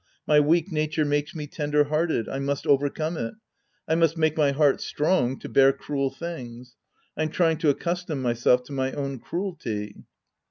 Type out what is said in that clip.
My weak nature makes me tender hearted. I must over come it. I must make my heart strong to bear cruej things. I'm trying to accustom myself to my own cruelty.